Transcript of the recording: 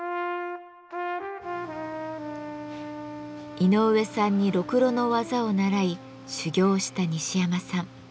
井上さんにろくろの技を習い修業した西山さん